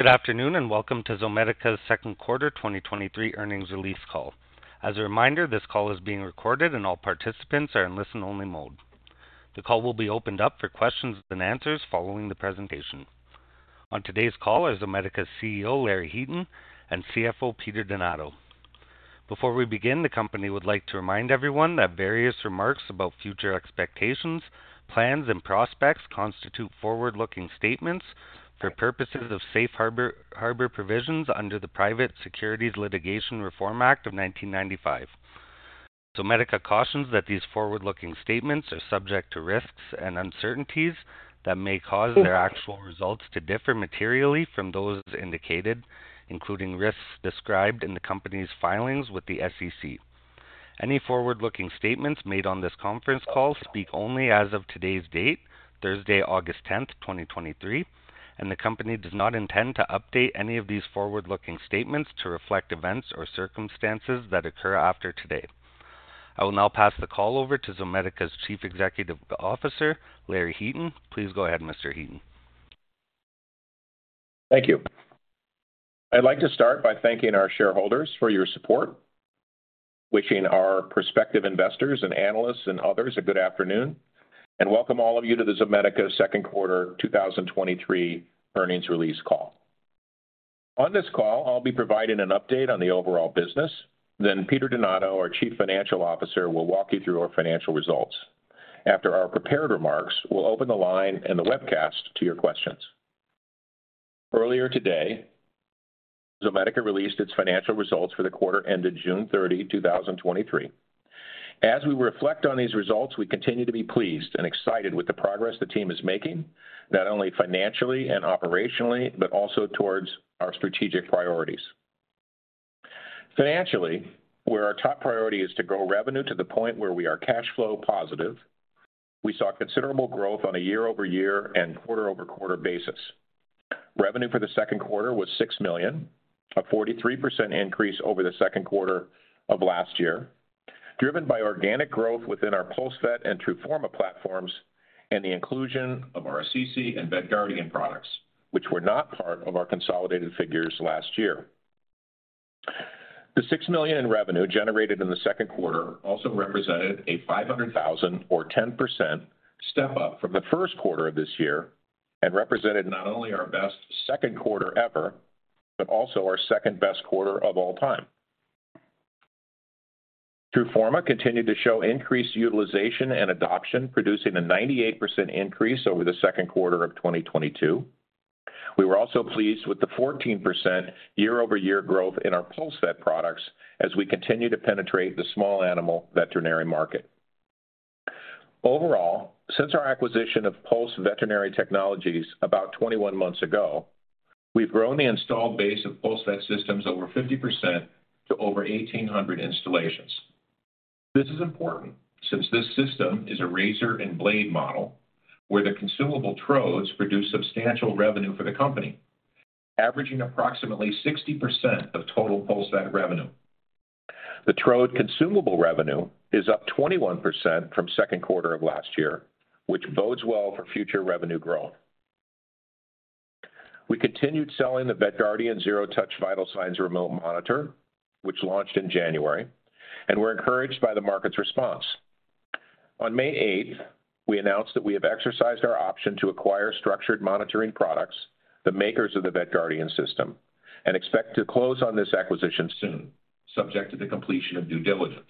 Good afternoon, welcome to Zomedica's Second Quarter 2023 Earnings Release Call. As a reminder, this call is being recorded, and all participants are in listen-only mode. The call will be opened up for questions and answers following the presentation. On today's call are Zomedica's CEO, Larry Heaton, and CFO, Peter Donato. Before we begin, the company would like to remind everyone that various remarks about future expectations, plans, and prospects constitute forward-looking statements for purposes of safe harbor, harbor provisions under the Private Securities Litigation Reform Act of 1995. Zomedica cautions that these forward-looking statements are subject to risks and uncertainties that may cause their actual results to differ materially from those indicated, including risks described in the company's filings with the SEC. Any forward-looking statements made on this conference call speak only as of today's date, Thursday, August 10, 2023. The company does not intend to update any of these forward-looking statements to reflect events or circumstances that occur after today. I will now pass the call over to Zomedica's Chief Executive Officer, Larry Heaton. Please go ahead, Mr. Heaton. Thank you. I'd like to start by thanking our shareholders for your support, wishing our prospective investors and analysts and others a good afternoon, welcome all of you to the Zomedica Second Quarter 2023 Earnings Release Call. On this call, I'll be providing an update on the overall business. Peter Donato, our Chief Financial Officer, will walk you through our financial results. After our prepared remarks, we'll open the line and the webcast to your questions. Earlier today, Zomedica released its financial results for the quarter ended June 30, 2023. As we reflect on these results, we continue to be pleased and excited with the progress the team is making, not only financially and operationally, but also towards our strategic priorities. Financially, where our top priority is to grow revenue to the point where we are cash flow positive, we saw considerable growth on a year-over-year and quarter-over-quarter basis. Revenue for the second quarter was $6 million, a 43% increase over the second quarter of last year, driven by organic growth within our PulseVet and TRUFORMA platforms and the inclusion of our Assisi and VetGuardian products, which were not part of our consolidated figures last year. The $6 million in revenue generated in the second quarter also represented a $500,000 or 10% step up from the first quarter of this year and represented not only our best second quarter ever, but also our second-best quarter of all time. TRUFORMA continued to show increased utilization and adoption, producing a 98% increase over the second quarter of 2022. We were also pleased with the 14% year-over-year growth in our PulseVet products as we continue to penetrate the small animal veterinary market. Overall, since our acquisition of Pulse Veterinary Technologies about 21 months ago, we've grown the installed base of PulseVet systems over 50% to over 1,800 installations. This is important since this system is a razor and blade model where the consumable Trodes produce substantial revenue for the company, averaging approximately 60% of total PulseVet revenue. The trode consumable revenue is up 21% from second quarter of last year, which bodes well for future revenue growth. We continued selling the VetGuardian Zero-Touch Vital Signs Remote Monitor, which launched in January, and we're encouraged by the market's response. On May 8th, we announced that we have exercised our option to acquire Structured Monitoring Products, the makers of the VetGuardian system, and expect to close on this acquisition soon, subject to the completion of due diligence.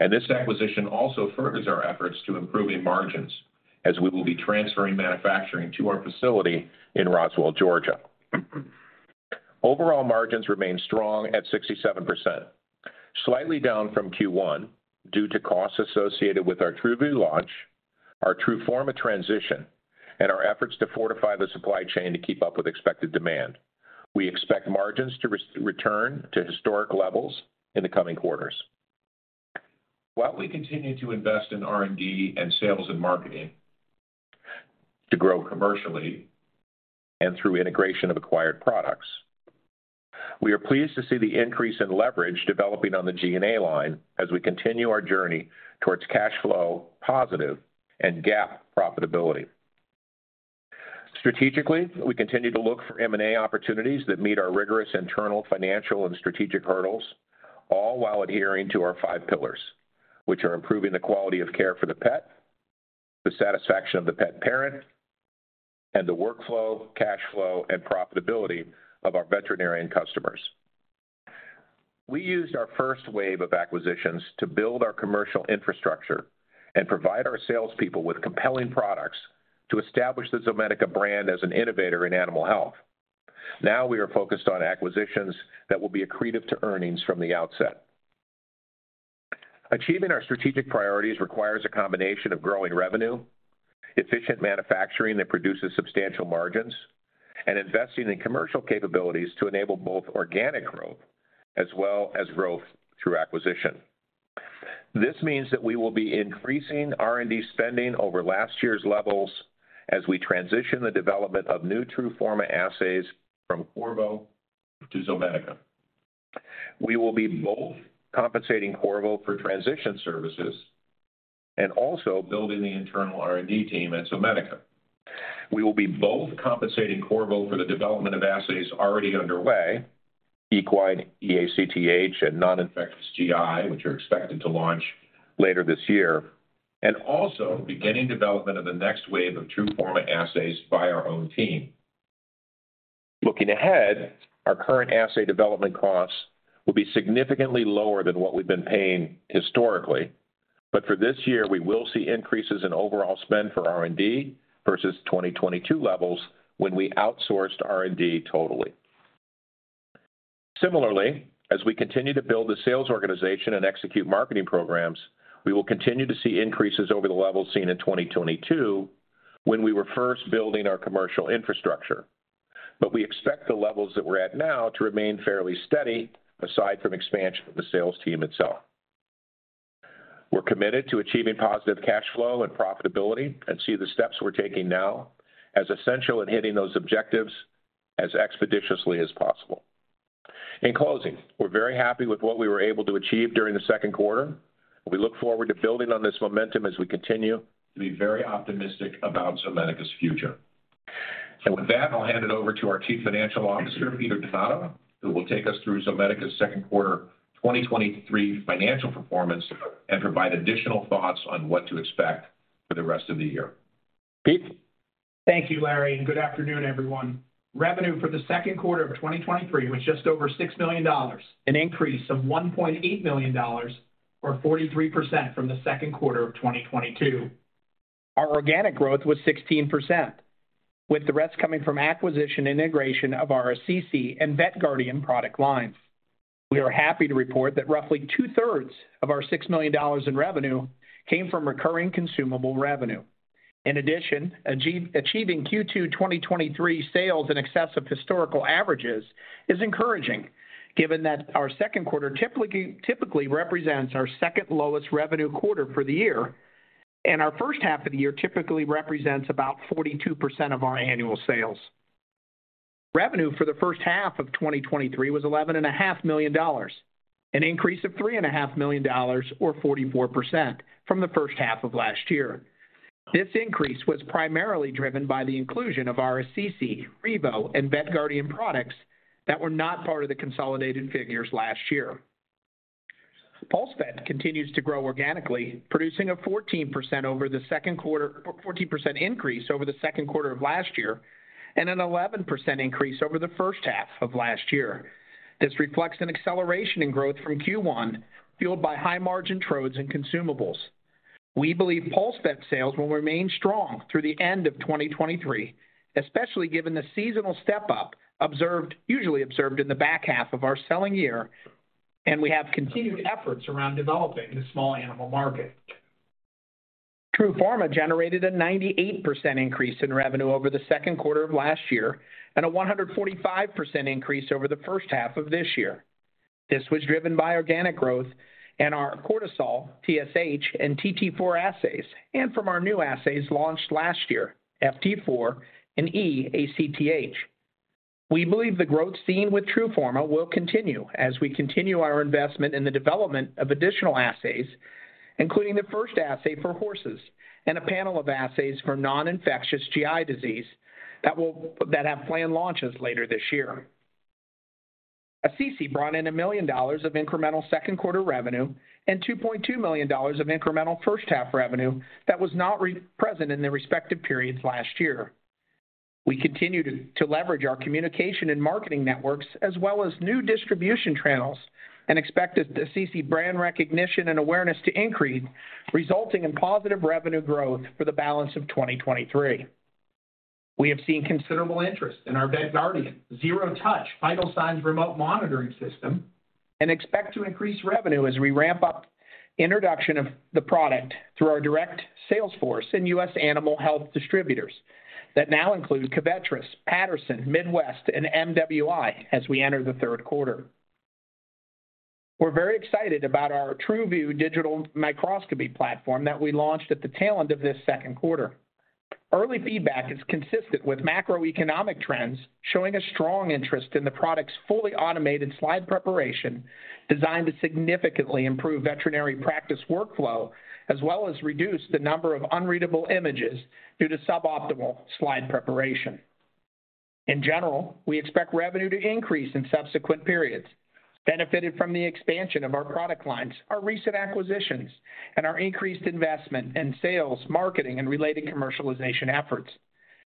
This acquisition also furthers our efforts to improving margins, as we will be transferring manufacturing to our facility in Roswell, Georgia. Overall margins remain strong at 67%, slightly down from Q1 due to costs associated with our TRUVIEW launch, our TRUFORMA transition, and our efforts to fortify the supply chain to keep up with expected demand. We expect margins to return to historic levels in the coming quarters. While we continue to invest in R&D and sales and marketing to grow commercially and through integration of acquired products, we are pleased to see the increase in leverage developing on the G&A line as we continue our journey towards cash flow positive and GAAP profitability. Strategically, we continue to look for M&A opportunities that meet our rigorous internal financial and strategic hurdles, all while adhering to our five pillars, which are improving the quality of care for the pet, the satisfaction of the pet parent, and the workflow, cash flow, and profitability of our veterinarian customers. We used our first wave of acquisitions to build our commercial infrastructure and provide our salespeople with compelling products to establish the Zomedica brand as an innovator in animal health. Now we are focused on acquisitions that will be accretive to earnings from the outset. Achieving our strategic priorities requires a combination of growing revenue, efficient manufacturing that produces substantial margins, and investing in commercial capabilities to enable both organic growth as well as growth through acquisition. This means that we will be increasing R&D spending over last year's levels. as we transition the development of new TRUFORMA assays from Qorvo to Zomedica. We will be both compensating Qorvo for transition services and also building the internal R&D team at Zomedica. We will be both compensating Qorvo for the development of assays already underway, equine eACTH and non-infectious GI, which are expected to launch later this year, and also beginning development of the next wave of TRUFORMA assays by our own team. Looking ahead, our current assay development costs will be significantly lower than what we've been paying historically, but for this year, we will see increases in overall spend for R&D versus 2022 levels when we outsourced R&D totally. Similarly, as we continue to build the sales organization and execute marketing programs, we will continue to see increases over the levels seen in 2022 when we were first building our commercial infrastructure. We expect the levels that we're at now to remain fairly steady aside from expansion of the sales team itself. We're committed to achieving positive cash flow and profitability, and see the steps we're taking now as essential in hitting those objectives as expeditiously as possible. In closing, we're very happy with what we were able to achieve during the second quarter. We look forward to building on this momentum as we continue to be very optimistic about Zomedica's future. With that, I'll hand it over to our Chief Financial Officer, Peter Donato, who will take us through Zomedica's second quarter 2023 financial performance and provide additional thoughts on what to expect for the rest of the year. Pete? Thank you, Larry, and good afternoon, everyone. Revenue for the second quarter of 2023 was just over $6 million, an increase of $1.8 million or 43% from the second quarter of 2022. Our organic growth was 16%, with the rest coming from acquisition integration of our Assisi and VetGuardian product lines. We are happy to report that roughly 2/3 of our $6 million in revenue came from recurring consumable revenue. In addition, achieving Q2 2023 sales in excess of historical averages is encouraging, given that our second quarter typically represents our second lowest revenue quarter for the year, and our first half of the year typically represents about 42% of our annual sales. Revenue for the first half of 2023 was $11.5 million, an increase of $3.5 million, or 44% from the first half of last year. This increase was primarily driven by the inclusion of our Assisi, Revo, and VetGuardian products that were not part of the consolidated figures last year. PulseVet continues to grow organically, producing a 14% over the second quarter, or 14% increase over the second quarter of last year, and an 11% increase over the first half of last year. This reflects an acceleration in growth from Q1, fueled by high-margin Trodes and consumables. We believe PulseVet sales will remain strong through the end of 2023, especially given the seasonal step-up usually observed in the back half of our selling year, and we have continued efforts around developing the small animal market. TRUFORMA generated a 98% increase in revenue over the second quarter of last year and a 145% increase over the first half of this year. This was driven by organic growth and our cortisol, TSH, and TT4 assays, and from our new assays launched last year, FT4 and eACTH. We believe the growth seen with TRUFORMA will continue as we continue our investment in the development of additional assays, including the first assay for horses and a panel of assays for non-infectious GI disease that have planned launches later this year. Assisi brought in $1 million of incremental second quarter revenue and $2.2 million of incremental first half revenue that was not re- present in the respective periods last year. We continue to leverage our communication and marketing networks, as well as new distribution channels and expect the Assisi brand recognition and awareness to increase, resulting in positive revenue growth for the balance of 2023. We have seen considerable interest in our VetGuardian Zero-Touch Vital Signs remote monitoring system and expect to increase revenue as we ramp up introduction of the product through our direct sales force and US Animal Health distributors. That now includes Covetrus, Patterson, Midwest, and MWI as we enter the 3rd quarter. We're very excited about our TRUVIEW digital microscopy platform that we launched at the tail end of this 2nd quarter. Early feedback is consistent with macroeconomic trends, showing a strong interest in the product's fully automated slide preparation, designed to significantly improve veterinary practice workflow, as well as reduce the number of unreadable images due to suboptimal slide preparation. In general, we expect revenue to increase in subsequent periods, benefited from the expansion of our product lines, our recent acquisitions, and our increased investment in sales, marketing, and related commercialization efforts.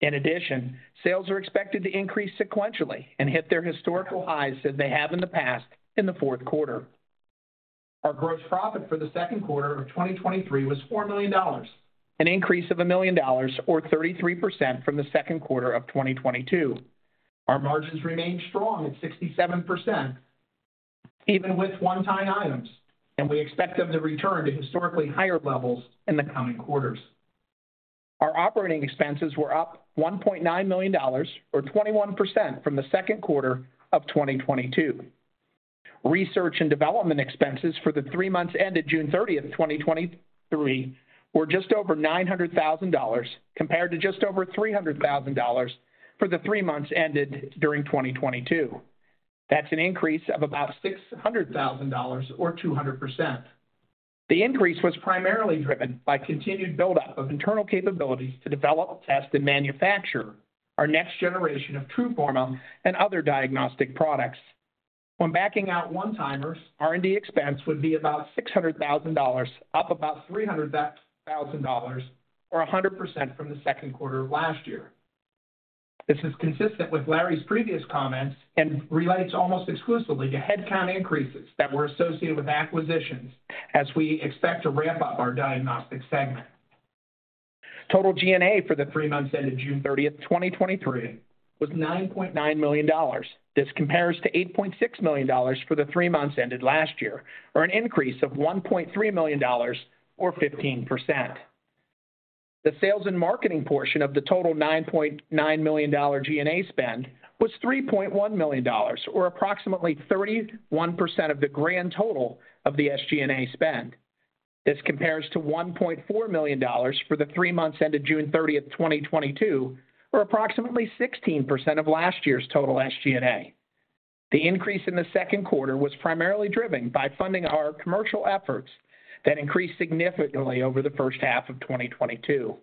In addition, sales are expected to increase sequentially and hit their historical highs as they have in the past in the fourth quarter. Our gross profit for the second quarter of 2023 was $4 million, an increase of $1 million, or 33% from the second quarter of 2022. Our margins remained strong at 67%, even with one-time items, and we expect them to return to historically higher levels in the coming quarters. Our operating expenses were up $1.9 million, or 21% from the second quarter of 2022. Research and development expenses for the three months ended June 30th, 2023, were just over $900,000, compared to just over $300,000 for the three months ended during 2022. That's an increase of about $600,000 or 200%. The increase was primarily driven by continued buildup of internal capabilities to develop, test, and manufacture our next generation of TRUFORMA and other diagnostic products. When backing out one-timers, R&D expense would be about $600,000, up about $300,000 or 100% from the second quarter of last year. This is consistent with Larry's previous comments and relates almost exclusively to headcount increases that were associated with acquisitions, as we expect to ramp up our diagnostic segment. Total G&A for the three months ended June 30th, 2023, was $9.9 million. This compares to $8.6 million for the three months ended last year, or an increase of $1.3 million or 15%. The sales and marketing portion of the total $9.9 million G&A spend was $3.1 million, or approximately 31% of the grand total of the SG&A spend. This compares to $1.4 million for the three months ended June 30th, 2022, or approximately 16% of last year's total SG&A. The increase in the second quarter was primarily driven by funding our commercial efforts that increased significantly over the first half of 2022.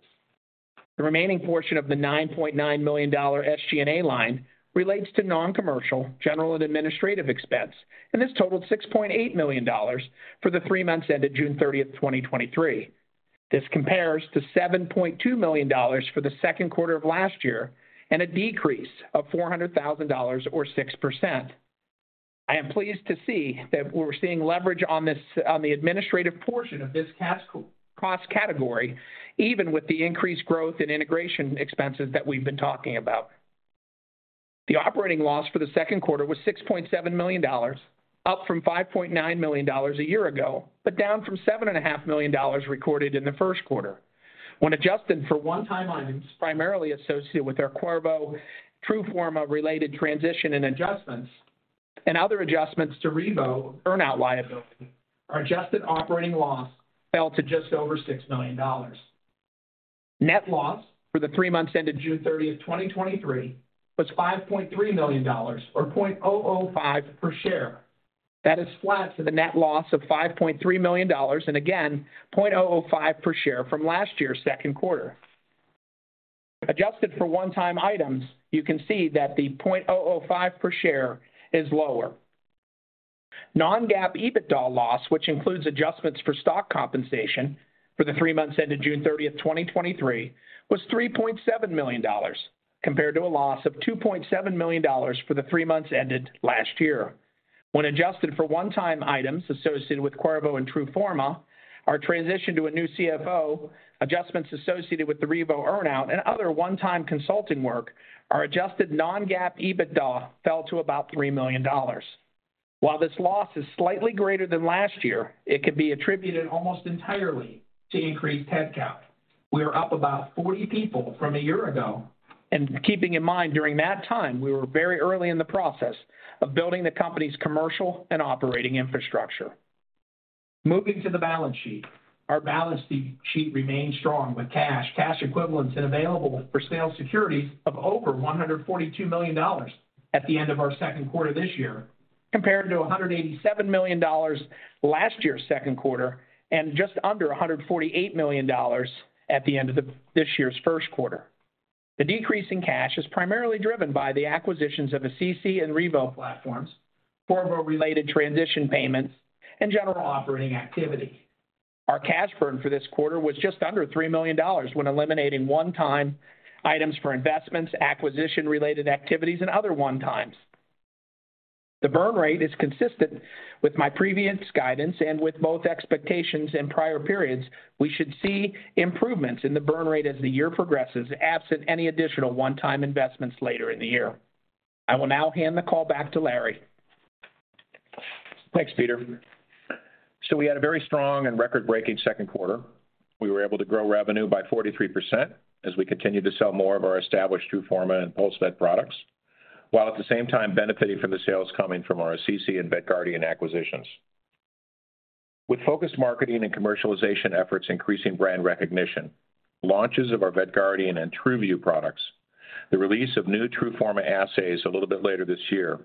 The remaining portion of the $9.9 million SG&A line relates to non-commercial, General and Administrative expense, this totaled $6.8 million for the three months ended June 30th, 2023. This compares to $7.2 million for the second quarter of last year and a decrease of $400,000 or 6%. I am pleased to see that we're seeing leverage on this, on the administrative portion of this cost, cost category, even with the increased growth and integration expenses that we've been talking about. The operating loss for the second quarter was $6.7 million, up from $5.9 million a year ago, but down from $7.5 million recorded in the first quarter. When adjusted for one-time items, primarily associated with our Qorvo TRUFORMA-related transition and adjustments, and other adjustments to Revo earn-out liability, our adjusted operating loss fell to just over $6 million. Net loss for the 3 months ended June 30, 2023, was $5.3 million or $0.005 per share. That is flat to the net loss of $5.3 million, and again, $0.005 per share from last year's second quarter. Adjusted for one-time items, you can see that the $0.005 per share is lower. Non-GAAP EBITDA loss, which includes adjustments for stock compensation for the three months ended June 30th, 2023, was $3.7 million, compared to a loss of $2.7 million for the three months ended last year. When adjusted for one-time items associated with Qorvo and TRUFORMA, our transition to a new CFO, adjustments associated with the Revo earn-out, and other one-time consulting work, our adjusted non-GAAP EBITDA fell to about $3 million. While this loss is slightly greater than last year, it could be attributed almost entirely to increased headcount. We are up about 40 people from a year ago, and keeping in mind, during that time, we were very early in the process of building the company's commercial and operating infrastructure. Moving to the balance sheet. Our balance sheet remains strong, with cash, cash equivalents, and available for sale securities of over $142 million at the end of our second quarter this year, compared to $187 million last year's second quarter, and just under $148 million at the end of this year's first quarter. The decrease in cash is primarily driven by the acquisitions of the Assisi and Revo platforms, Qorvo-related transition payments, and general operating activity. Our cash burn for this quarter was just under $3 million when eliminating one-time items for investments, acquisition-related activities, and other one-times. The burn rate is consistent with my previous guidance and with both expectations in prior periods. We should see improvements in the burn rate as the year progresses, absent any additional one-time investments later in the year. I will now hand the call back to Larry. Thanks, Peter. We had a very strong and record-breaking second quarter. We were able to grow revenue by 43% as we continued to sell more of our established TRUFORMA and PulseVet products, while at the same time benefiting from the sales coming from our Assisi and VetGuardian acquisitions. With focused marketing and commercialization efforts, increasing brand recognition, launches of our VetGuardian and TRUVIEW products, the release of new TRUFORMA assays a little bit later this year,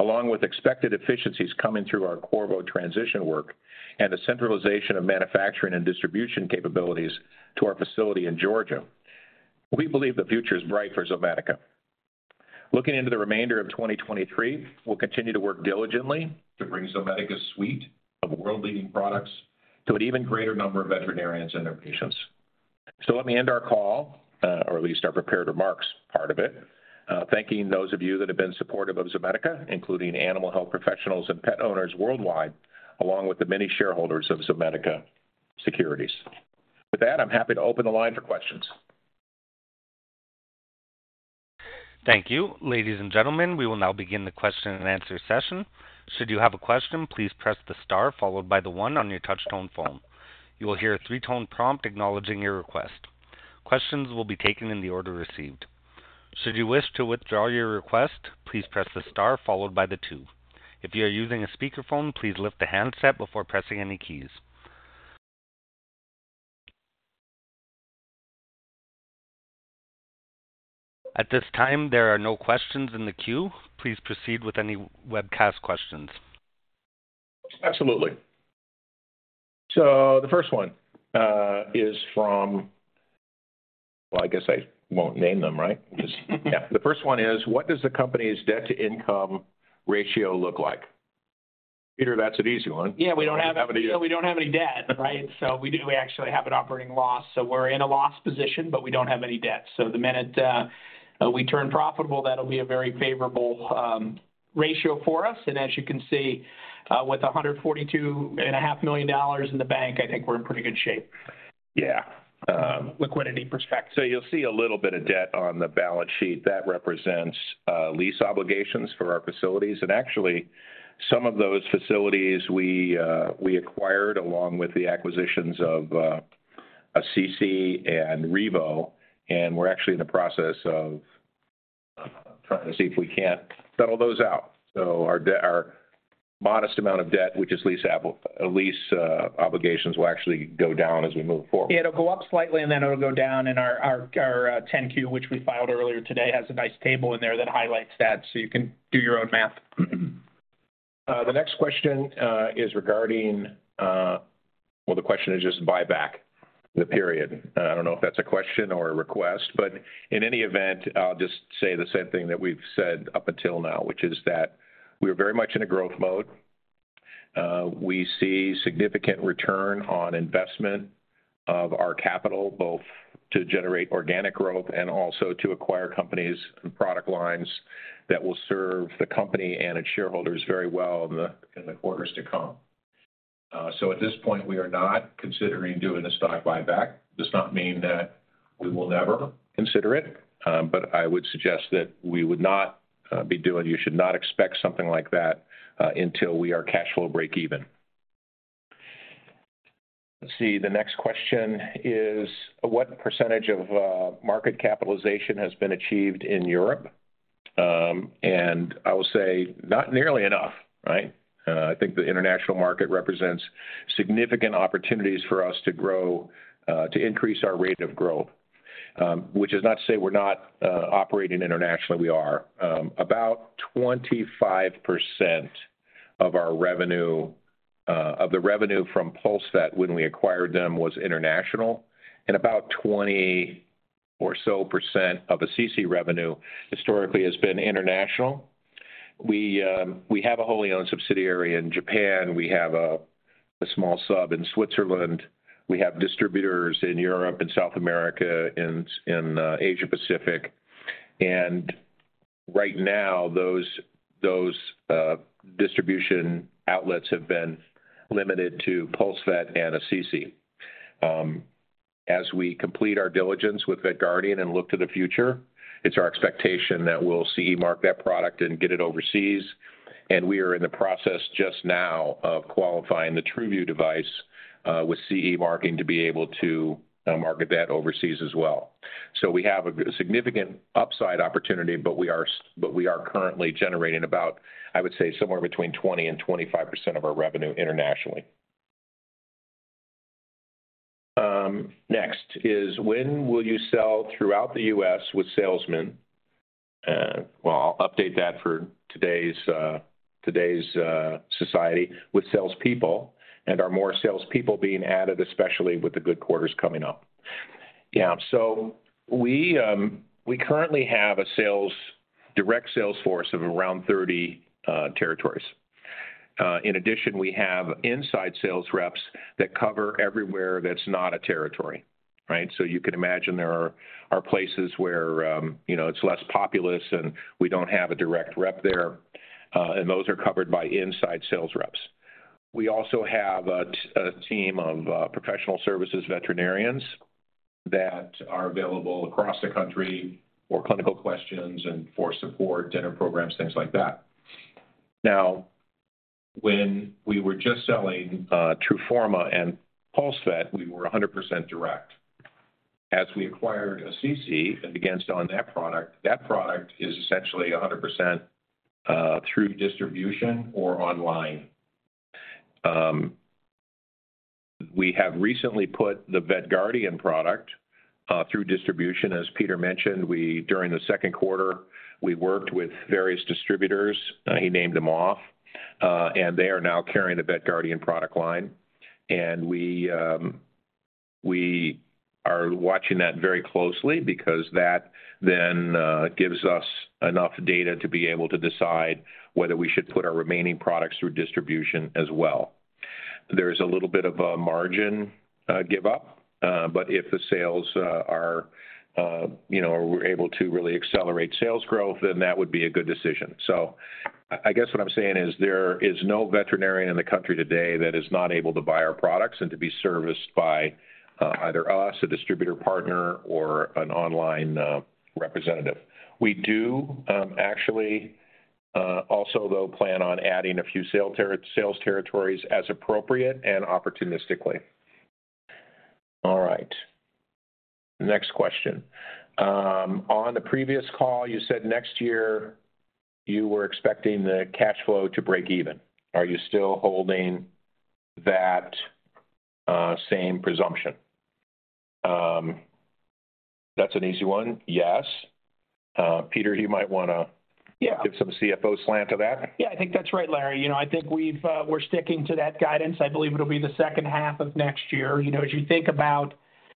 along with expected efficiencies coming through our Qorvo transition work and the centralization of manufacturing and distribution capabilities to our facility in Georgia, we believe the future is bright for Zomedica. Looking into the remainder of 2023, we'll continue to work diligently to bring Zomedica's suite of world-leading products to an even greater number of veterinarians and their patients. Let me end our call, or at least our prepared remarks part of it, thanking those of you that have been supportive of Zomedica, including animal health professionals and pet owners worldwide, along with the many shareholders of Zomedica securities. With that, I'm happy to open the line for questions. Thank you. Ladies and gentlemen, we will now begin the question and answer session. Should you have a question, please press the star followed by the 1 on your touch tone phone. You will hear a 3-tone prompt acknowledging your request. Questions will be taken in the order received. Should you wish to withdraw your request, please press the star followed by the 2. If you are using a speakerphone, please lift the handset before pressing any keys. At this time, there are no questions in the queue. Please proceed with any webcast questions. Absolutely. The first one, Well, I guess I won't name them, right? Yeah. The first one is, what does the company's debt-to-income ratio look like? Peter, that's an easy one. Yeah, we don't have- We don't have any. Yeah, we don't have any debt, right? We do, we actually have an operating loss, so we're in a loss position, but we don't have any debt. The minute we turn profitable, that'll be a very favorable ratio for us. As you can see, with $142.5 million in the bank, I think we're in pretty good shape. Yeah. Liquidity perspective. You'll see a little bit of debt on the balance sheet. That represents lease obligations for our facilities. Actually, some of those facilities we acquired along with the acquisitions of Assisi and Revo, and we're actually in the process of trying to see if we can't settle those out. Our modest amount of debt, which is lease lease obligations, will actually go down as we move forward. It'll go up slightly, and then it'll go down, and our, our, our 10-Q, which we filed earlier today, has a nice table in there that highlights that, so you can do your own math. The next question is regarding. Well, the question is just buyback, the period. I don't know if that's a question or a request, but in any event, I'll just say the same thing that we've said up until now, which is that we are very much in a growth mode. We see significant return on investment of our capital, both to generate organic growth and also to acquire companies and product lines that will serve the company and its shareholders very well in the, in the quarters to come. At this point, we are not considering doing a stock buyback. Does not mean that we will never consider it, but I would suggest that we would not. You should not expect something like that until we are cash flow breakeven. Let's see, the next question is: What % of market capitalization has been achieved in Europe? I will say, not nearly enough, right? I think the international market represents significant opportunities for us to grow, to increase our rate of growth. Which is not to say we're not operating internationally, we are. About 25% of our revenue, of the revenue from PulseVet when we acquired them, was international, and about 20 or so % of Assisi revenue historically has been international. We have a wholly owned subsidiary in Japan. We have a small sub in Switzerland. We have distributors in Europe and South America, in Asia-Pacific. Right now, those, those distribution outlets have been limited to PulseVet and Assisi. As we complete our diligence with VetGuardian and look to the future, it's our expectation that we'll CE mark that product and get it overseas, and we are in the process just now of qualifying the TRUVIEW device with CE marking to be able to market that overseas as well. We have a significant upside opportunity, but we are currently generating about, I would say, somewhere between 20%-25% of our revenue internationally. Next is: When will you sell throughout the US with salesmen? Well, I'll update that for today's, today's society with salespeople, and are more salespeople being added, especially with the good quarters coming up? Yeah, we currently have a sales, direct sales force of around 30 territories. In addition, we have inside sales reps that cover everywhere that's not a territory, right? You can imagine there are places where, you know, it's less populous, and we don't have a direct rep there, and those are covered by inside sales reps. We also have a team of professional services veterinarians that are available across the country for clinical questions and for support, dinner programs, things like that. When we were just selling TRUFORMA and PulseVet, we were 100% direct. We acquired Assisi and began to sell on that product, that product is essentially 100% through distribution or online. We have recently put the VetGuardian product through distribution. As Peter mentioned, we, during the second quarter, we worked with various distributors, he named them off, they are now carrying the VetGuardian product line. We are watching that very closely because that then gives us enough data to be able to decide whether we should put our remaining products through distribution as well. There's a little bit of a margin, give up, if the sales are, you know, we're able to really accelerate sales growth, then that would be a good decision. I, I guess what I'm saying is there is no veterinarian in the country today that is not able to buy our products and to be serviced by either us, a distributor partner, or an online representative. We do, actually, also, though, plan on adding a few sales territories as appropriate and opportunistically. All right, next question. On the previous call, you said next year you were expecting the cash flow to break even. Are you still holding that same presumption? That's an easy one. Yes. Peter, you might wanna- Yeah. -give some CFO slant to that. Yeah, I think that's right, Larry. You know, I think we've, we're sticking to that guidance. I believe it'll be the second half of next year. You know, as you think about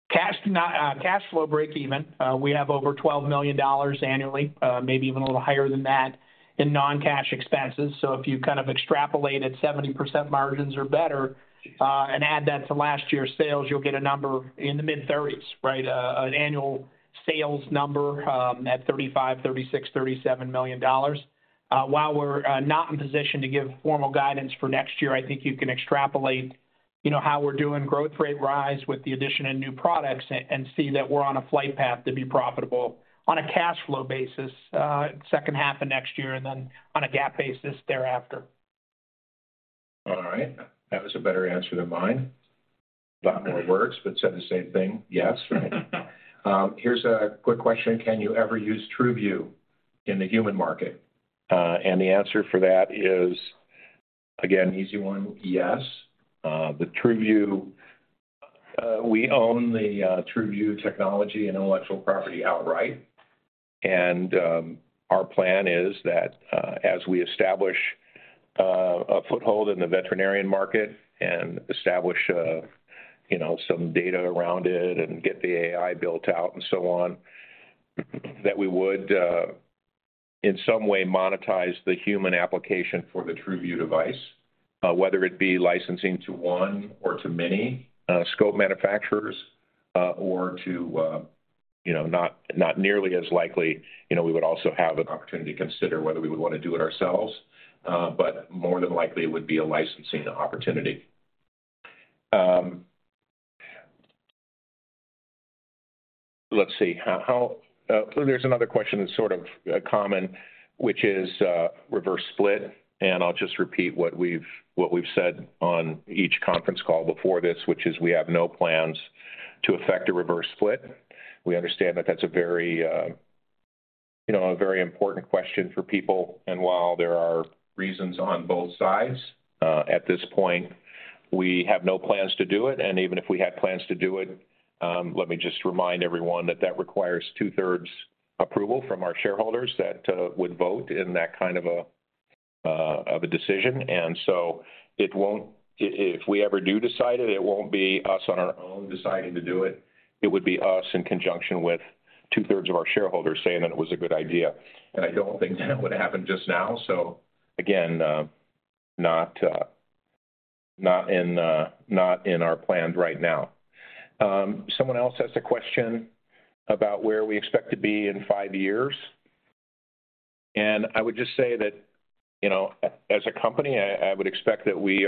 cash, cash flow break even, we have over $12 million annually, maybe even a little higher than that in non-cash expenses. If you kind of extrapolate at 70% margins or better, and add that to last year's sales, you'll get a number in the mid thirties, right? An annual sales number, at $35 million-$37 million. While we're not in position to give formal guidance for next year, I think you can extrapolate, you know, how we're doing growth rate rise with the addition of new products and, and see that we're on a flight path to be profitable on a cash flow basis, second half of next year and then on a GAAP basis thereafter. All right. That was a better answer than mine. A lot more words, but said the same thing. Yes. Right. Here's a quick question: Can you ever use TRUVIEW in the human market? And the answer for that is, again, easy one, yes. The TRUVIEW, we own the TRUVIEW technology and intellectual property outright. Our plan is that, as we establish a foothold in the veterinarian market and establish a, you know, some data around it and get the AI built out and so on, that we would in some way monetize the human application for the TRUVIEW device, whether it be licensing to one or to many scope manufacturers, or to, you know, not, not nearly as likely, you know, we would also have an opportunity to consider whether we would want to do it ourselves. More than likely it would be a licensing opportunity. Let's see, how, how... There's another question that's sort of common, which is reverse split, and I'll just repeat what we've, what we've said on each conference call before this, which is we have no plans to effect a reverse split. We understand that that's a very, you know, a very important question for people, and while there are reasons on both sides, at this point, we have no plans to do it. Even if we had plans to do it, let me just remind everyone that that requires 2/3 approval from our shareholders that would vote in that kind of a decision. If, if we ever do decide it, it won't be us on our own deciding to do it. It would be us in conjunction with two-thirds of our shareholders saying that it was a good idea, and I don't think that would happen just now. Again, not in our plans right now. Someone else has a question about where we expect to be in five years, and I would just say that, you know, as a company, I, I would expect that we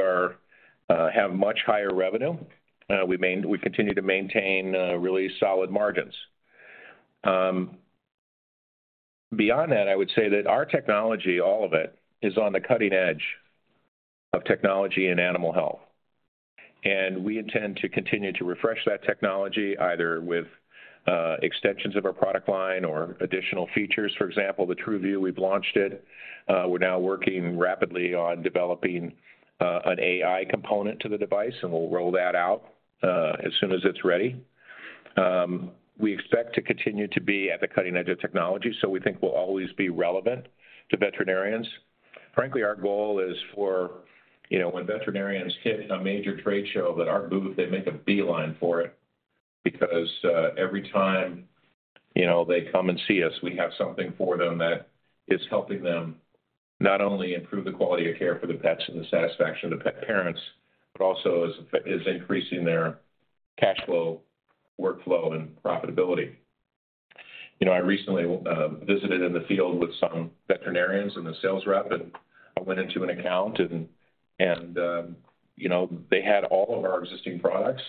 have much higher revenue. We continue to maintain really solid margins. Beyond that, I would say that our technology, all of it, is on the cutting edge of technology and animal health. We intend to continue to refresh that technology, either with extensions of our product line or additional features. For example, the TRUVIEW, we've launched it. We're now working rapidly on developing an AI component to the device, and we'll roll that out as soon as it's ready. We expect to continue to be at the cutting edge of technology, so we think we'll always be relevant to veterinarians. Frankly, our goal is for, you know, when veterinarians hit a major trade show that our booth, they make a beeline for it, because every time, you know, they come and see us, we have something for them that is helping them not only improve the quality of care for the pets and the satisfaction of the pet parents, but also is, is increasing their cash flow, workflow, and profitability. You know, I recently visited in the field with some veterinarians and a sales rep, and I went into an account and, and, you know, they had all of our existing products,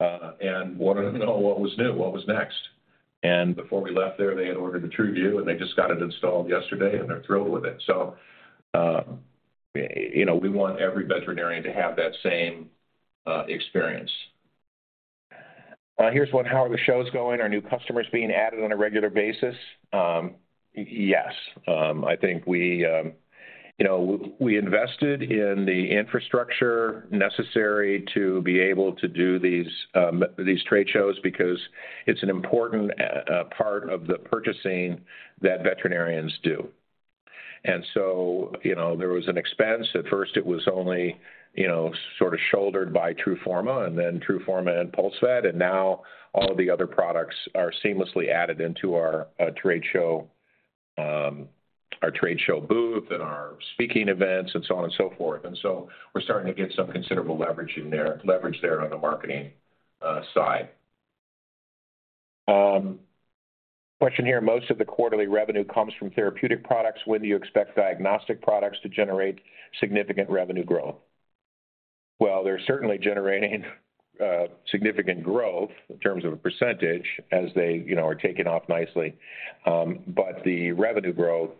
and wanted to know what was new, what was next. Before we left there, they had ordered a TRUVIEW, and they just got it installed yesterday, and they're thrilled with it. You know, we want every veterinarian to have that same experience. Here's one: How are the shows going? Are new customers being added on a regular basis? Yes. I think we, you know, we invested in the infrastructure necessary to be able to do these these trade shows because it's an important part of the purchasing that veterinarians do. You know, there was an expense. At first, it was only, you know, sort of shouldered by TRUFORMA and then TRUFORMA and PulseVet, now all the other products are seamlessly added into our trade show, our trade show booth and our speaking events and so on and so forth. We're starting to get some considerable leverage in there, leverage there on the marketing side. Question here: Most of the quarterly revenue comes from therapeutic products. When do you expect diagnostic products to generate significant revenue growth? Well, they're certainly generating significant growth in terms of a percentage, as they, you know, are taking off nicely. The revenue growth-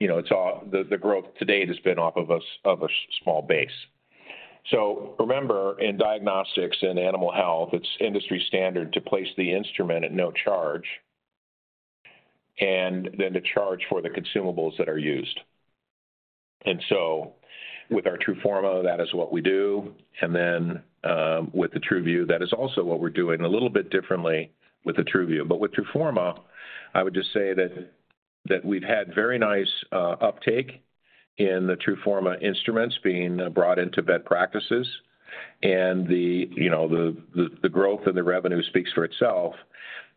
you know, it's all, the, the growth to date has been off of a of a small base. Remember, in diagnostics and animal health, it's industry standard to place the instrument at no charge, and then to charge for the consumables that are used. With our TRUFORMA, that is what we do, and then, with the TRUVIEW, that is also what we're doing a little bit differently with the TRUVIEW. With TRUFORMA, I would just say that, that we've had very nice uptake in the TRUFORMA instruments being brought into vet practices and the, you know, the, the, the growth and the revenue speaks for itself.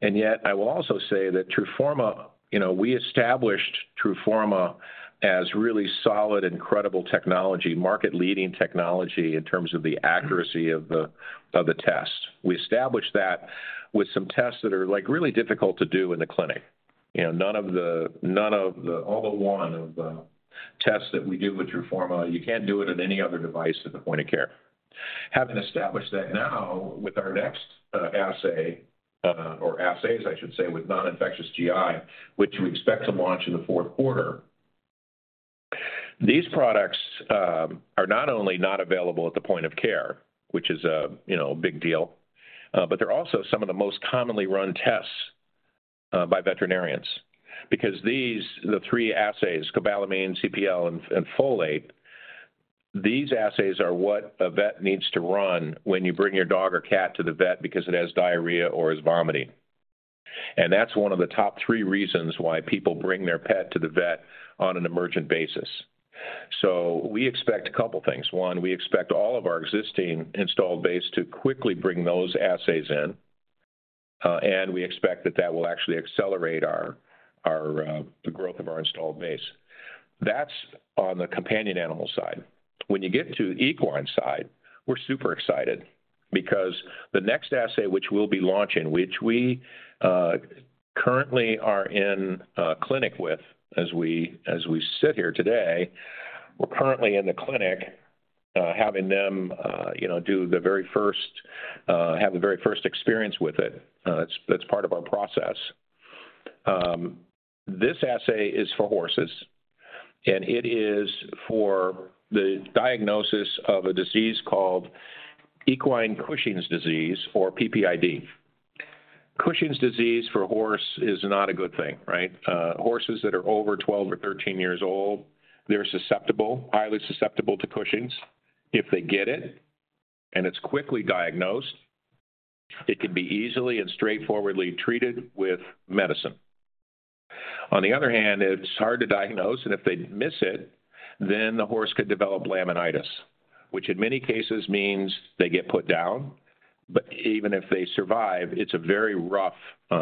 Yet, I will also say that TRUFORMA, you know, we established TRUFORMA as really solid and credible technology, market-leading technology in terms of the accuracy of the, of the test. We established that with some tests that are, like, really difficult to do in the clinic. You know, none of the, none of the... all but one of the tests that we do with TRUFORMA, you can't do it on any other device at the point of care. Having established that, now with our next assay, or assays, I should say, with non-infectious GI, which we expect to launch in the fourth quarter, these products are not only not available at the point of care, which is a, you know, big deal, but they're also some of the most commonly run tests by veterinarians. Because these, the three assays, cobalamin, CPL, and folate, these assays are what a vet needs to run when you bring your dog or cat to the vet because it has diarrhea or is vomiting. That's one of the top three reasons why people bring their pet to the vet on an emergent basis. We expect a couple things: One, we expect all of our existing installed base to quickly bring those assays in, and we expect that that will actually accelerate our, our, the growth of our installed base. That's on the companion animal side. When you get to the equine side, we're super excited because the next assay, which we'll be launching, which we currently are in a clinic with as we, as we sit here today, we're currently in the clinic, having them, you know, do the very first, have the very first experience with it. That's, that's part of our process. This assay is for horses, and it is for the diagnosis of a disease called equine Cushing's disease or PPID. Cushing's disease for a horse is not a good thing, right? Horses that are over 12 or 13 years old, they're susceptible, highly susceptible to Cushing's. If they get it, and it's quickly diagnosed, it can be easily and straightforwardly treated with medicine. On the other hand, if it's hard to diagnose and if they miss it, then the horse could develop laminitis, which in many cases means they get put down, but even if they survive, it's a very rough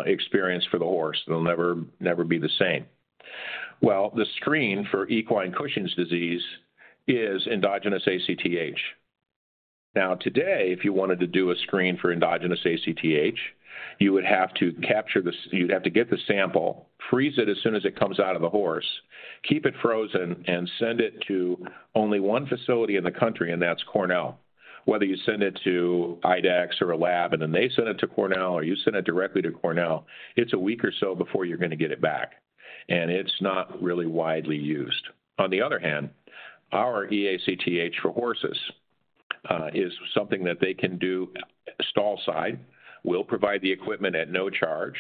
experience for the horse. They'll never, never be the same. Well, the screen for equine Cushing's disease is endogenous ACTH. Today, if you wanted to do a screen for endogenous ACTH, you would have to get the sample, freeze it as soon as it comes out of the horse, keep it frozen, and send it to only one facility in the country, and that's Cornell. Whether you send it to IDEXX or a lab, and then they send it to Cornell, or you send it directly to Cornell, it's a week or so before you're gonna get it back. It's not really widely used. On the other hand, our ACTH for horses is something that they can do stall side. We'll provide the equipment at no charge.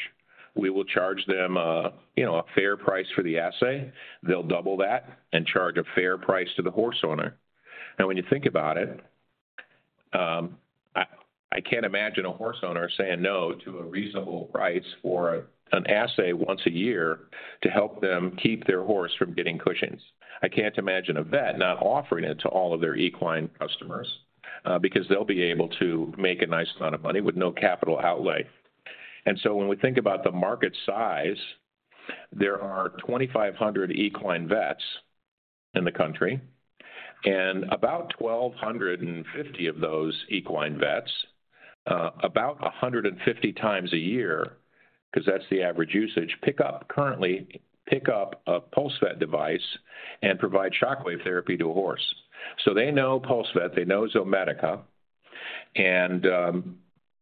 We will charge them a, you know, fair price for the assay. They'll double that and charge a fair price to the horse owner. When you think about it, I can't imagine a horse owner saying no to a reasonable price for an assay once a year to help them keep their horse from getting Cushing's. I can't imagine a vet not offering it to all of their equine customers, because they'll be able to make a nice amount of money with no capital outlay. When we think about the market size, there are 2,500 equine vets in the country, and about 1,250 of those equine vets, about 150 times a year, cause that's the average usage, pick up, currently pick up a PulseVet device and provide shockwave therapy to a horse. They know PulseVet, they know Zomedica, and,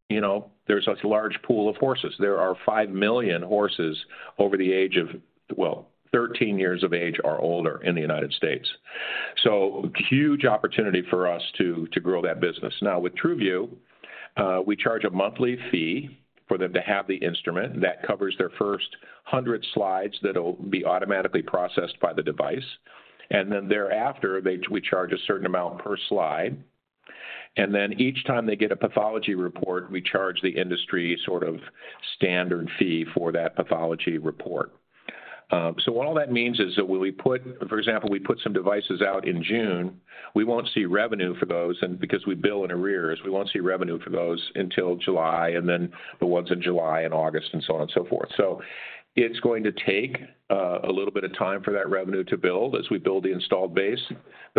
you know, there's a large pool of horses. There are 5 million horses over the age of... well, 13 years of age or older in the United States. Huge opportunity for us to, to grow that business. With TRUVIEW, we charge a monthly fee for them to have the instrument. That covers their first 100 slides that'll be automatically processed by the device. Thereafter, we charge a certain amount per slide. Each time they get a pathology report, we charge the industry sort of standard fee for that pathology report. What all that means is that when we put, for example, we put some devices out in June, we won't see revenue for those, and because we bill in arrears, we won't see revenue for those until July, and then the ones in July and August and so on and so forth. It's going to take a little bit of time for that revenue to build as we build the installed base.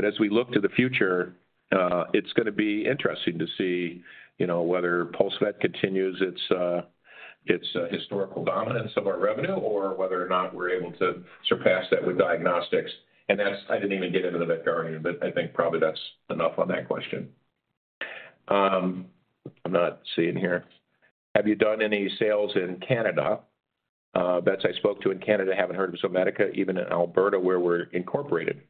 As we look to the future, it's gonna be interesting to see, you know, whether PulseVet continues its historical dominance of our revenue or whether or not we're able to surpass that with diagnostics. That's- I didn't even get into the veterinarian, but I think probably that's enough on that question. I'm not seeing here. Have you done any sales in Canada? Vets I spoke to in Canada haven't heard of Zomedica, even in Alberta, where we're incorporated.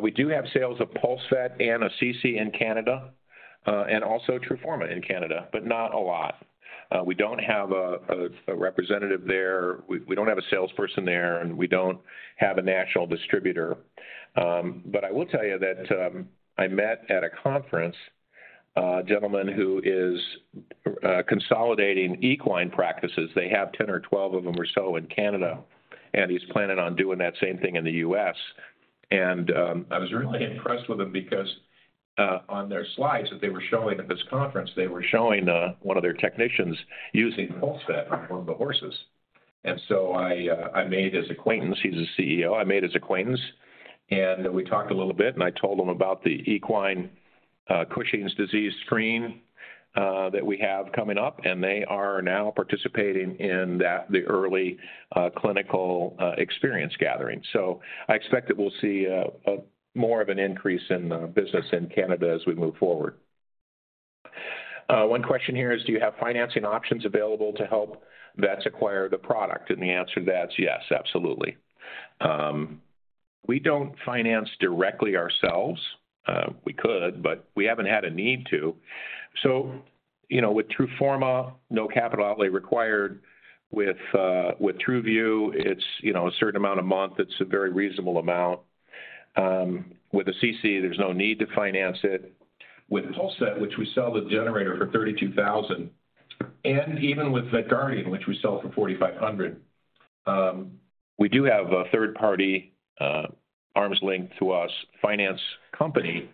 We do have sales of PulseVet and Assisi in Canada, and also TRUFORMA in Canada, but not a lot. We don't have a representative there. We don't have a salesperson there, and we don't have a national distributor. I will tell you that I met at a conference, a gentleman who is consolidating equine practices. They have 10 or 12 of them or so in Canada, and he's planning on doing that same thing in the US. I was really impressed with him because on their slides that they were showing at this conference, they were showing one of their technicians using PulseVet on one of the horses. I made his acquaintance. He's a CEO. I made his acquaintance, and we talked a little bit, and I told him about the equine Cushing's disease screen that we have coming up, and they are now participating in that, the early clinical experience gathering. I expect that we'll see a more of an increase in business in Canada as we move forward. One question here is, do you have financing options available to help vets acquire the product? The answer to that's yes, absolutely. We don't finance directly ourselves. We could, but we haven't had a need to. You know, with TRUFORMA, no capital outlay required. With TRUVIEW, it's, you know, a certain amount a month. It's a very reasonable amount. With the Assisi, there's no need to finance it. With PulseVet, which we sell the generator for $32,000, and even with VetGuardian, which we sell for $4,500, we do have a third-party, arm's length to us finance company.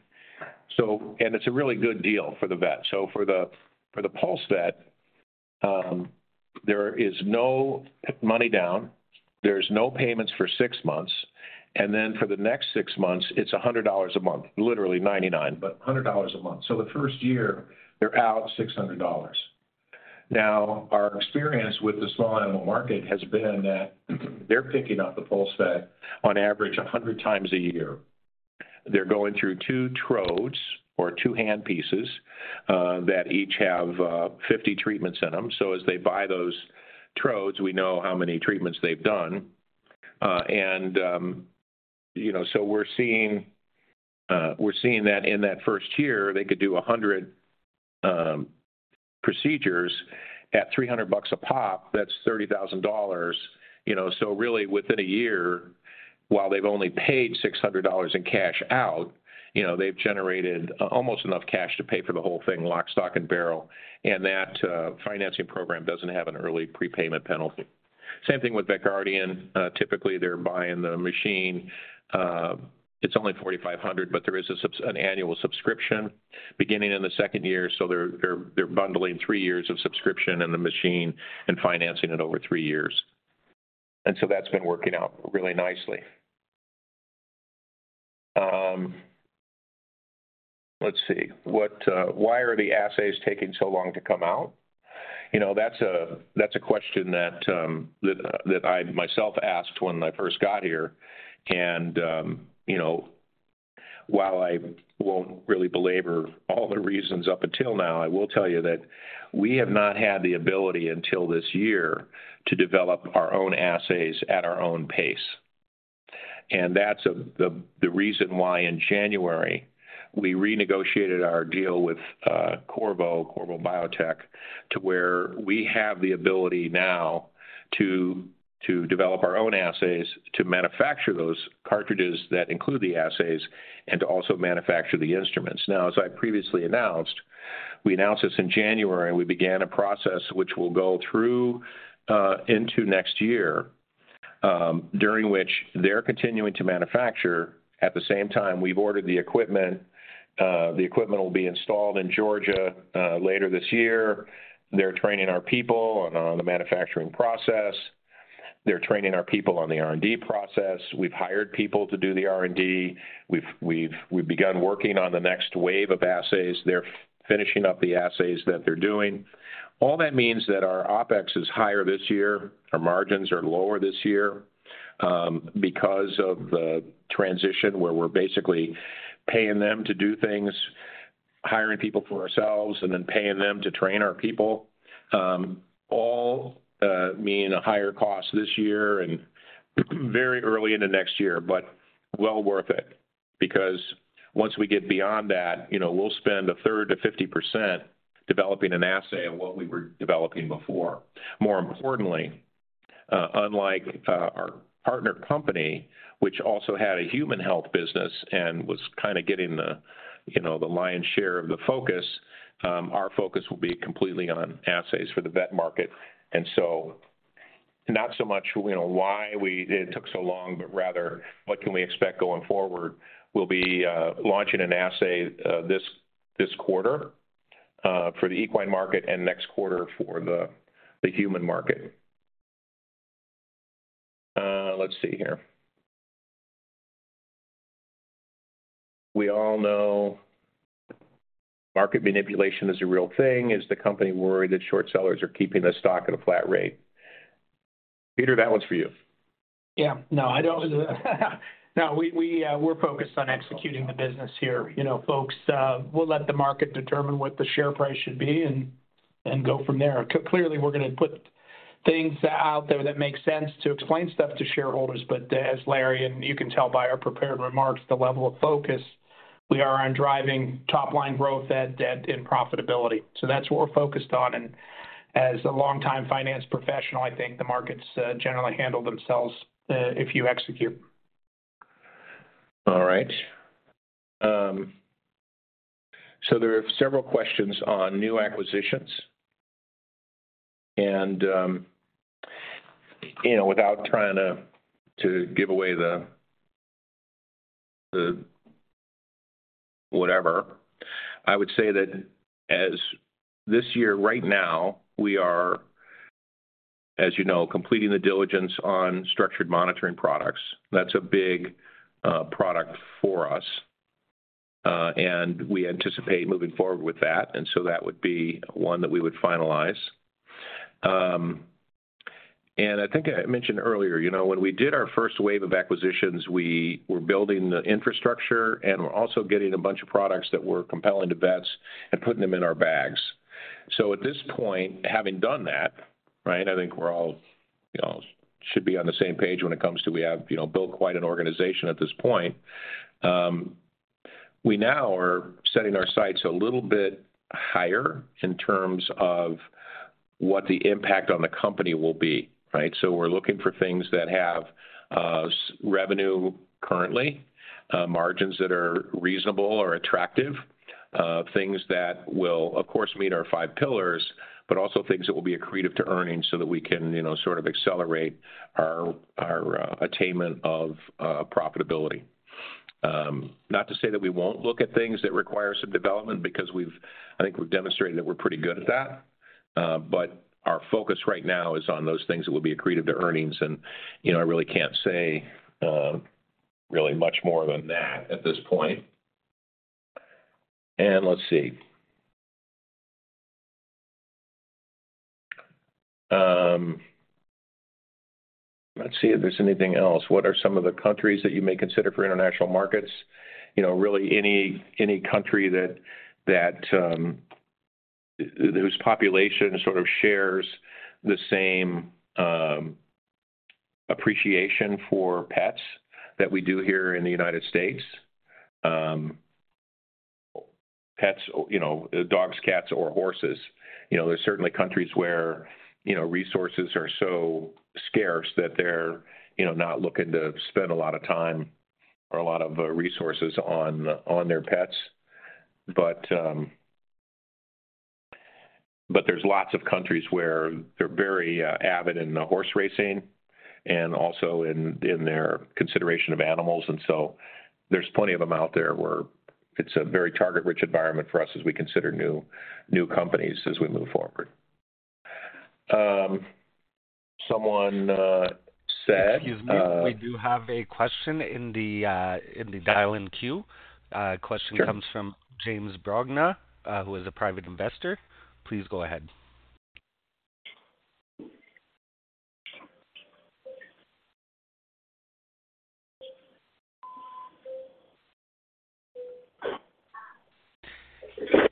It's a really good deal for the vet. For the, for the PulseVet, there is no money down, there's no payments for six months, and then for the next six months, it's $100 a month, literally 99, but $100 a month. The 1st year, they're out $600. Now, our experience with the small animal market has been that they're picking up the PulseVet on average 100 times a year. They're going through two Trodes, or two hand pieces, that each have 50 treatments in them. As they buy those Trodes, we know how many treatments they've done. And, you know, we're seeing that in that 1st year, they could do 100 procedures at $300 a pop. That's $30,000, you know, so really, within a year, while they've only paid $600 in cash out, you know, they've generated almost enough cash to pay for the whole thing, lock, stock, and barrel. That financing program doesn't have an early prepayment penalty. Same thing with VetGuardian. Typically, they're buying the machine. It's only $4,500, but there is a sub- an annual subscription beginning in the 2nd year, so they're, they're, they're bundling 3 years of subscription in the machine and financing it over 3 years. That's been working out really nicely. Let's see. What, why are the assays taking so long to come out? You know, that's a, that's a question that, that I myself asked when I first got here. You know, while I won't really belabor all the reasons up until now, I will tell you that we have not had the ability until this year to develop our own assays at our own pace. That's the, the reason why in January, we renegotiated our deal with Qorvo, Qorvo Biotechnologies, to where we have the ability now to, to develop our own assays, to manufacture those cartridges that include the assays, and to also manufacture the instruments. As I previously announced, we announced this in January, we began a process which will go through into next year, during which they're continuing to manufacture. At the same time, we've ordered the equipment. The equipment will be installed in Georgia, later this year. They're training our people on the manufacturing process. They're training our people on the R&D process. We've hired people to do the R&D. We've, we've, we've begun working on the next wave of assays. They're finishing up the assays that they're doing. All that means that our OpEx is higher this year. Our margins are lower this year, because of the transition, where we're basically paying them to do things, hiring people for ourselves, and then paying them to train our people. All mean a higher cost this year and very early in the next year, but well worth it because once we get beyond that, you know, we'll spend a third to 50% developing an assay of what we were developing before. More importantly, unlike our partner company, which also had a human health business and was kind of getting the, you know, the lion's share of the focus, our focus will be completely on assays for the vet market. So not so much, you know, why we it took so long, but rather, what can we expect going forward? We'll be launching an assay this, this quarter for the equine market and next quarter for the human market. Let's see here. We all know market manipulation is a real thing. Is the company worried that short sellers are keeping the stock at a flat rate? Peter, that one's for you. Yeah. No, I don't. No, we, we, we're focused on executing the business here. You know, folks, we'll let the market determine what the share price should be and, and go from there. Clearly, we're gonna put things out there that make sense to explain stuff to shareholders, but as Larry, and you can tell by our prepared remarks, the level of focus we are on driving top-line growth, add debt, and profitability. That's what we're focused on, and as a longtime finance professional, I think the markets generally handle themselves if you execute. All right. So there are several questions on new acquisitions. Without trying to, to give away the, the whatever, I would say that as this year, right now, we are, as you know, completing the diligence on Structured Monitoring Products. That's a big product for us, and we anticipate moving forward with that, so that would be one that we would finalize. I think I mentioned earlier, you know, when we did our first wave of acquisitions, we were building the infrastructure, and we're also getting a bunch of products that were compelling to vets and putting them in our bags. At this point, having done that, right, I think we're all, you know, should be on the same page when it comes to we have, you know, built quite an organization at this point. We now are setting our sights a little bit higher in terms of what the impact on the company will be, right? We're looking for things that have revenue currently, margins that are reasonable or attractive, things that will, of course, meet our 5 pillars, but also things that will be accretive to earnings so that we can, you know, sort of accelerate our attainment of profitability. Not to say that we won't look at things that require some development because we've-- I think we've demonstrated that we're pretty good at that, but our focus right now is on those things that will be accretive to earnings. You know, I really can't say really much more than that at this point. Let's see. Let's see if there's anything else. What are some of the countries that you may consider for international markets? You know, really any, any country that, that, whose population sort of shares the same, appreciation for pets that we do here in the United States. Pets, you know, dogs, cats, or horses. You know, there's certainly countries where, you know, resources are so scarce that they're, you know, not looking to spend a lot of time or a lot of, resources on, on their pets. There's lots of countries where they're very, avid in horse racing and also in, in their consideration of animals, and so there's plenty of them out there where it's a very target-rich environment for us as we consider new, new companies as we move forward. Someone, said- Excuse me, we do have a question in the in the dial-in queue. Sure. Question comes from James Brogna, who is a private investor. Please go ahead.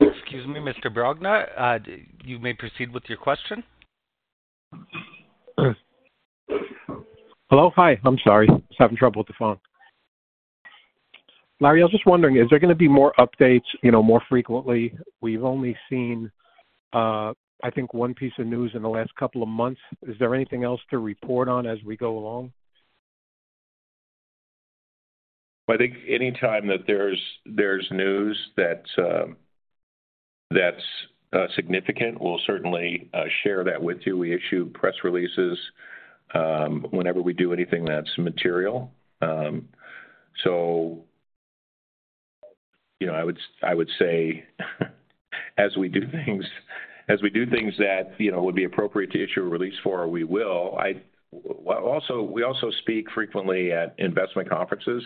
Excuse me, Mr. Brogna, you may proceed with your question. Hello. Hi, I'm sorry. Just having trouble with the phone. Larry, I was just wondering, is there gonna be more updates, you know, more frequently? We've only seen, I think, 1 piece of news in the last couple of months. Is there anything else to report on as we go along? I think anytime that there's, there's news that that's significant, we'll certainly share that with you. We issue press releases whenever we do anything that's material. You know, I would, I would say, as we do things, as we do things that, you know, would be appropriate to issue a release for, we will. Also, we also speak frequently at investment conferences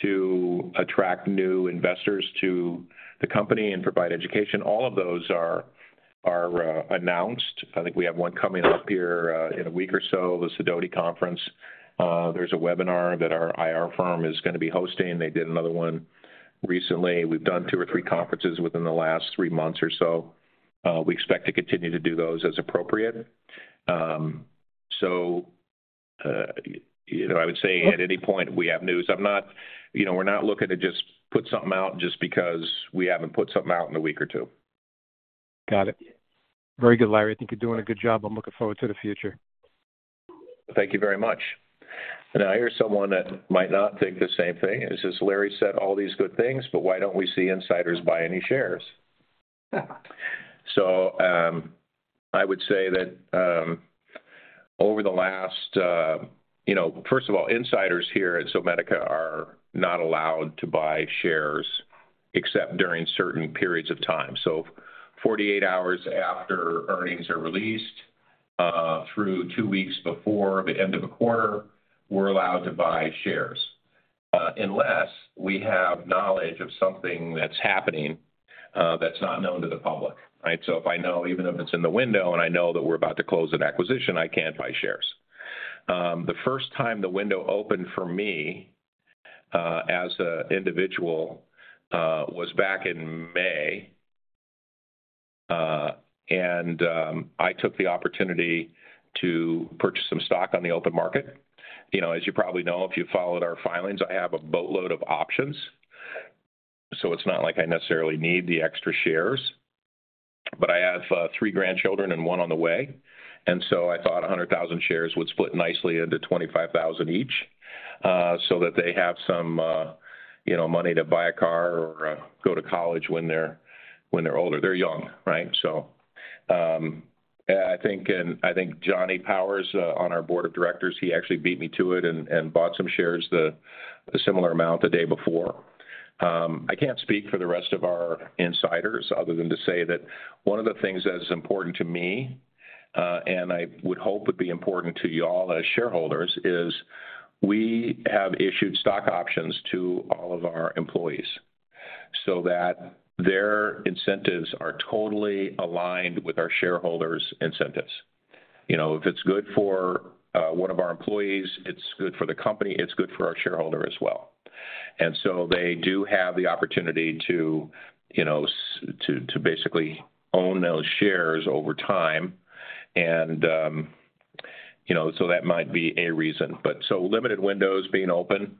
to attract new investors to the company and provide education. All of those are, are announced. I think we have one coming up here in a week or so, the Sidoti conference. There's a webinar that our IR firm is gonna be hosting. They did another one recently. We've done 2 or 3 conferences within the last 3 months or so. We expect to continue to do those as appropriate. You know, I would say at any point, we have news. I'm not... You know, we're not looking to just put something out just because we haven't put something out in a week or two. Got it. Very good, Larry. I think you're doing a good job. I'm looking forward to the future. Thank you very much. Now here's someone that might not think the same thing, and it says: "Larry said all these good things, but why don't we see insiders buy any shares?" I would say that, over the last, you know, First of all, insiders here at Zomedica are not allowed to buy shares except during certain periods of time. 48 hours after earnings are released, through 2 weeks before the end of a quarter, we're allowed to buy shares, unless we have knowledge of something that's happening, that's not known to the public, right? If I know, even if it's in the window, and I know that we're about to close an acquisition, I can't buy shares. The first time the window opened for me, as an individual, was back in May. I took the opportunity to purchase some stock on the open market. You know, as you probably know, if you followed our filings, I have a boatload of options, so it's not like I necessarily need the extra shares. I have 3 grandchildren and 1 on the way, I thought 100,000 shares would split nicely into 25,000 each, so that they have some, you know, money to buy a car or go to college when they're, when they're older. They're young, right? I think, I think Johnny Powers on our board of directors, he actually beat me to it and bought some shares, the similar amount the day before. I can't speak for the rest of our insiders other than to say that one of the things that is important to me, and I would hope would be important to you all as shareholders, is we have issued stock options to all of our employees so that their incentives are totally aligned with our shareholders' incentives. You know, if it's good for one of our employees, it's good for the company, it's good for our shareholder as well. So they do have the opportunity to, you know, to basically own those shares over time, and, you know, that might be a reason. Limited windows being open,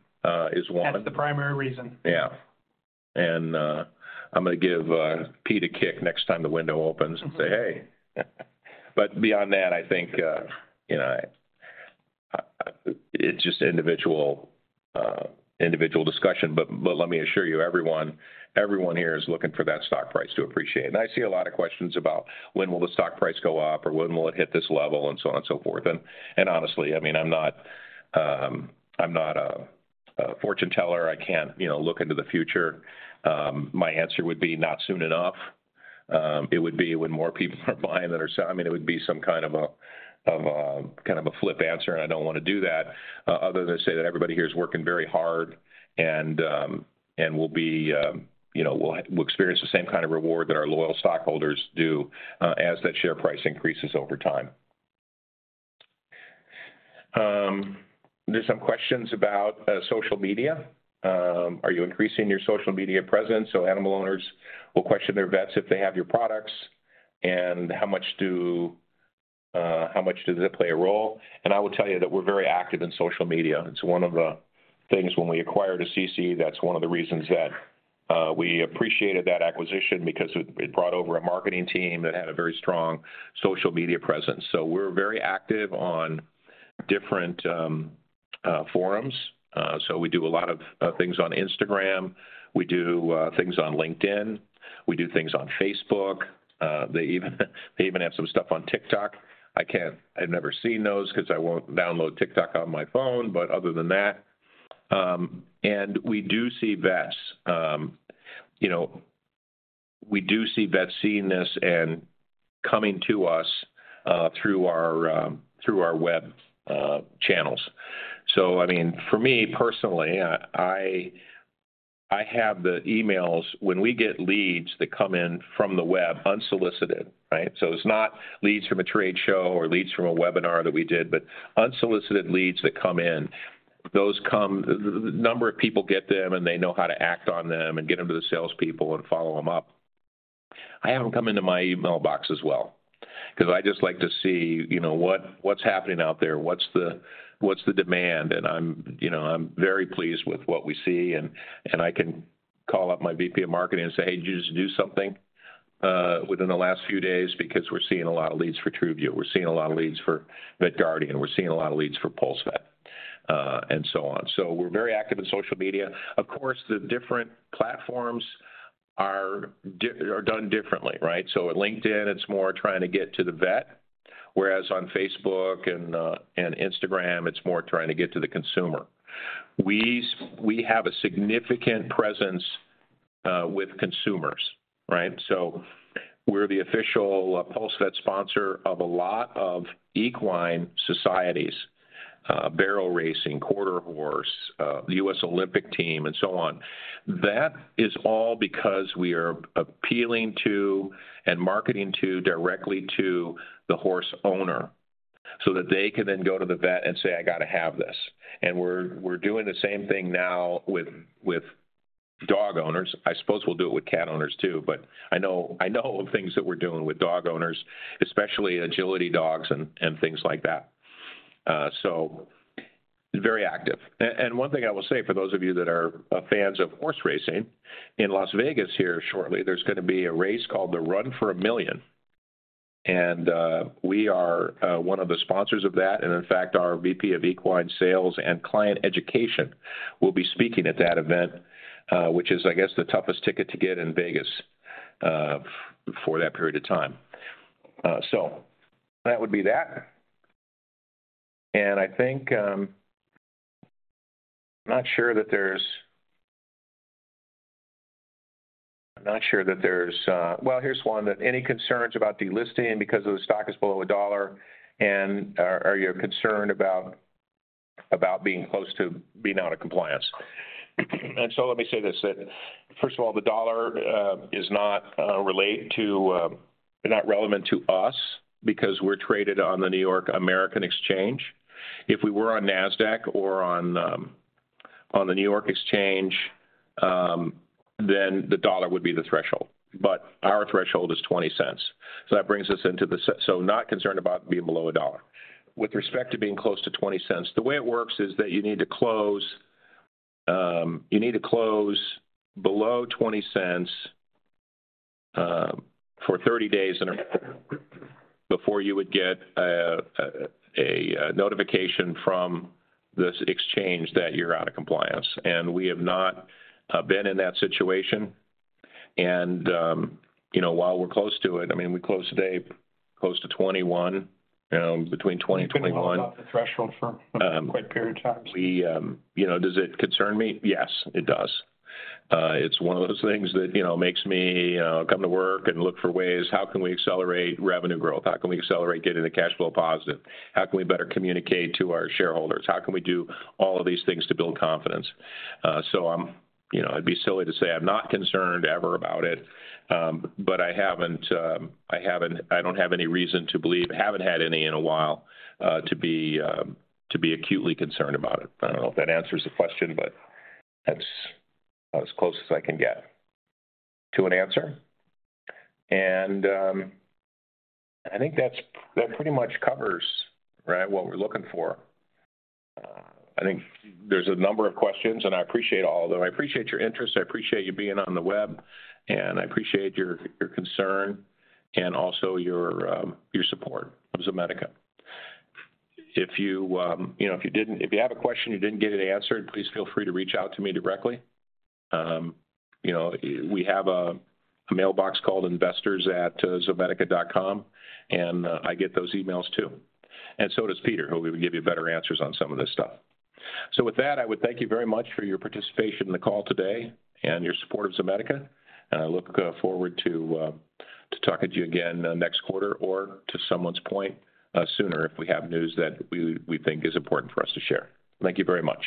is one- That's the primary reason. Yeah. I'm gonna give Pete a kick next time the window opens- Mm-hmm. Say, "Hey." Beyond that, I think, you know, I, I, it's just individual, individual discussion. Let me assure you, everyone, everyone here is looking for that stock price to appreciate. I see a lot of questions about when will the stock price go up, or when will it hit this level, and so on and so forth. Honestly, I mean, I'm not, I'm not a, a fortune teller. I can't, you know, look into the future. My answer would be not soon enough. It would be when more people are buying than are selling. I mean, it would be some kind of a, of a kind of a flip answer, and I don't wanna do that, other than say that everybody here is working very hard, and, you know, we'll, we'll experience the same kind of reward that our loyal stockholders do, as that share price increases over time. There's some questions about social media. Are you increasing your social media presence so animal owners will question their vets if they have your products? How much does it play a role? I will tell you that we're very active in social media. It's one of the things when we acquired Assisi, that's one of the reasons that we appreciated that acquisition because it, it brought over a marketing team that had a very strong social media presence. We're very active on different forums. We do a lot of things on Instagram, we do things on LinkedIn, we do things on Facebook. They even, they even have some stuff on TikTok. I can't. I've never seen those 'cause I won't download TikTok on my phone, but other than that. We do see vets, you know, we do see vets seeing this and coming to us through our through our web channels. I mean, for me personally, I, I, I have the emails. When we get leads that come in from the web unsolicited, right? It's not leads from a trade show or leads from a webinar that we did, but unsolicited leads that come in, those come... The number of people get them, and they know how to act on them and get them to the salespeople and follow them up. I have them come into my email box as well, 'cause I just like to see, you know, what, what's happening out there, what's the, what's the demand, and I'm, you know, I'm very pleased with what we see, and, and I can call up my VP of marketing and say, "Hey, did you just do something, within the last few days? Because we're seeing a lot of leads for TRUVIEW. We're seeing a lot of leads for VetGuardian. We're seeing a lot of leads for PulseVet," and so on. So, we're very active in social media. Of course, the different platforms are done differently, right? At LinkedIn, it's more trying to get to the vet, whereas on Facebook and Instagram, it's more trying to get to the consumer. We have a significant presence with consumers, right? We're the official PulseVet sponsor of a lot of equine societies, barrel racing, quarter horse, the U.S. Olympic team, and so on. That is all because we are appealing to and marketing to, directly to the horse owner, so that they can then go to the vet and say, "I gotta have this." We're, we're doing the same thing now with, with dog owners. I suppose we'll do it with cat owners too, but I know, I know of things that we're doing with dog owners, especially agility dogs and things like that. Very active. One thing I will say, for those of you that are fans of horse racing, in Las Vegas here shortly, there's gonna be a race called the Run for A Million, and we are one of the sponsors of that. In fact, our VP of equine sales and client education will be speaking at that event, which is, I guess, the toughest ticket to get in Vegas for that period of time. So that would be that. I think, well, here's one, that any concerns about delisting because of the stock is below $1, and are, are you concerned about, about being close to being out of compliance? Let me say this, that first of all, the dollar is not related to, not relevant to us because we're traded on the NYSE American. If we were on Nasdaq or on the New York Stock Exchange, then the dollar would be the threshold, but our threshold is $0.20. That brings us into the so not concerned about being below a dollar. With respect to being close to $0.20, the way it works is that you need to close, you need to close below $0.20 for 30 days in a row before you would get a notification from this exchange that you're out of compliance. We have not been in that situation. You know, while we're close to it, I mean, we closed today close to 21, between 20 and 21. Threshold for quite a period of time. You know, does it concern me? Yes, it does. It's one of those things that, you know, makes me come to work and look for ways, how can we accelerate revenue growth? How can we accelerate getting a cash flow positive? How can we better communicate to our shareholders? How can we do all of these things to build confidence? I'm, you know, it'd be silly to say I'm not concerned ever about it, but I haven't, I don't have any reason to believe, I haven't had any in a while, to be, to be acutely concerned about it. I don't know if that answers the question, but that's about as close as I can get to an answer. I think that's that pretty much covers, right, what we're looking for. I think there's a number of questions, and I appreciate all of them. I appreciate your interest, I appreciate you being on the web, and I appreciate your, your concern and also your, your support of Zomedica. If you, you know, if you didn't If you have a question, you didn't get it answered, please feel free to reach out to me directly. You know, we have a, a mailbox called investors@zomedica.com, and I get those emails, too. So does Peter, who will give you better answers on some of this stuff. With that, I would thank you very much for your participation in the call today and your support of Zomedica. I look forward to talking to you again next quarter or, to someone's point, sooner if we have news that we think is important for us to share. Thank you very much.